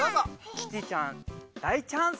キティちゃん大チャンス！